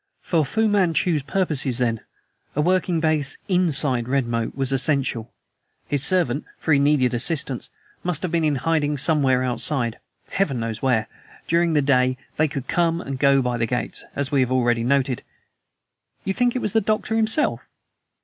For Fu Manchu's purposes, then, a working base INSIDE Redmoat was essential. His servant for he needed assistance must have been in hiding somewhere outside; Heaven knows where! During the day they could come or go by the gates, as we have already noted." "You think it was the Doctor himself?"